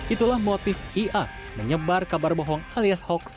itulah motif ia menyebar kabar bohong alias hoax